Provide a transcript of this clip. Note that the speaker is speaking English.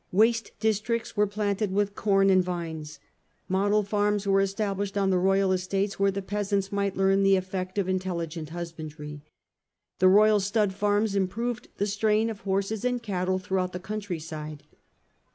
Waste districts were planted with corn and vines. Model farms were established on the royal estates where the peasants might learn the effect of intelligent husbandry. The royal stud farms improved the strain of horses and cattle throughout the countryside.